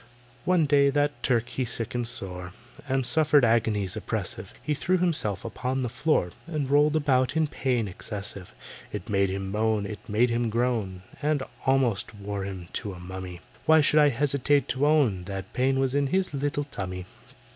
One day that Turk he sickened sore, And suffered agonies oppressive; He threw himself upon the floor And rolled about in pain excessive. It made him moan, it made him groan, And almost wore him to a mummy. Why should I hesitate to own That pain was in his little tummy?